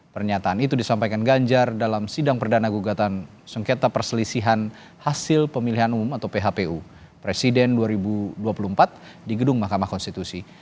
pernyataan itu disampaikan ganjar dalam sidang perdana gugatan sengketa perselisihan hasil pemilihan umum atau phpu presiden dua ribu dua puluh empat di gedung mahkamah konstitusi